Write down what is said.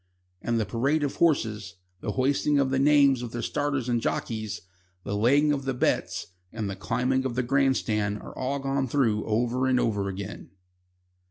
And the parade of the horses, the hoisting of the names of the starters and jockeys, the laying of the bets, and the climbing of the grand stand are all gone through over and over again.